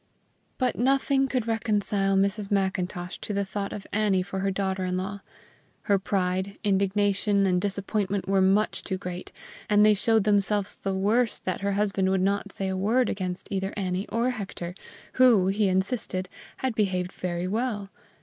But nothing could reconcile Mrs. Macintosh to the thought of Annie for her daughter in law; her pride, indignation, and disappointment were much too great, and they showed themselves the worse that her husband would not say a word against either Annie or Hector, who, he insisted, had behaved very well.